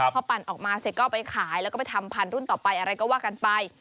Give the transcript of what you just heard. พอปั่นออกมาเสร็จก็เอาไปขายแล้วก็ไปทำพันธุรุ่นต่อไปอะไรก็ว่ากันไป